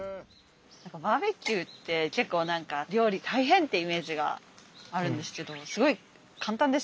バーベキューって結構何か料理大変ってイメージがあるんですけどすごい簡単ですね。